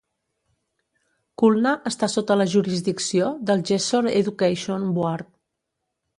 Khulna està sota la jurisdicció del Jessore Education Board.